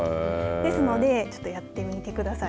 ですのでちょっとやってみてください。